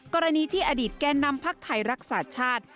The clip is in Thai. กรณีที่อดีตแก่นำพักไทยรักษาชาติ